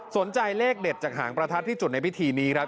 เลขเด็ดจากหางประทัดที่จุดในพิธีนี้ครับ